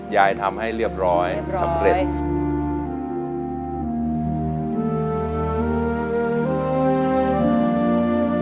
อยากให้เรียบร้อยสำเร็จ